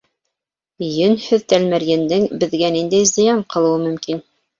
— Йөнһөҙ тәлмәрйендең беҙгә ниндәй зыян ҡылыуы мөмкин?